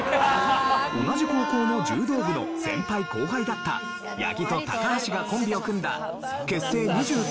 同じ高校の柔道部の先輩後輩だった八木と高橋がコンビを組んだ結成２９年目の人気コンビ。